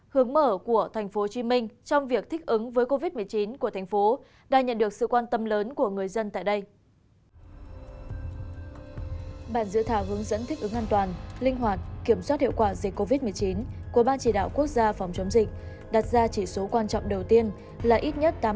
hướng mở của tp hcm trong việc thích ứng với covid một mươi chín của thành phố đã nhận được sự quan tâm lớn của người dân tại đây